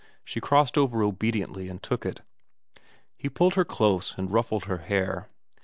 She crossed over obediently and took it. He pulled her close and ruffled her hair.